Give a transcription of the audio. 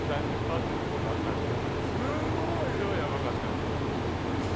すごい！超ヤバかったんですけど。